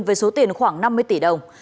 với số tiền khoảng năm mươi tỷ đồng